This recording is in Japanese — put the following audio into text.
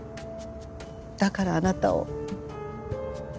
だからあなたを。